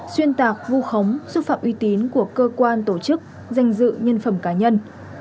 xuyên tạc vu khống xúc phạm uy tín của cơ quan tổ chức danh dự nhân phẩm cá nhân